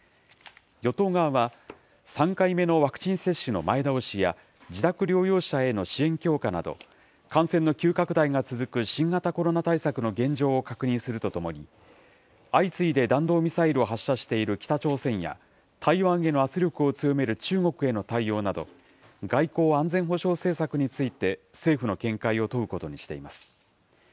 与党側は、３回目のワクチン接種の前倒しや、自宅療養者への支援強化など、感染の急拡大が続く新型コロナ対策の現状を確認するとともに、相次いで弾道ミサイルを発射している北朝鮮や、台湾への圧力を強める中国への対応など、外交・安全保障政策について、政府の見解を問うことにしています。